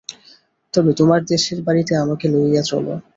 তবে তোমার দেশের বাড়িতে আমাকে লইয়া চলো।